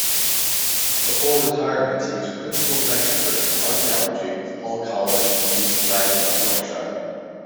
Before retirement he was Principal Lecturer in Archaeology, Hull College, East Riding of Yorkshire.